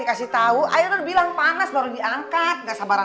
eh kita goreng lagi deh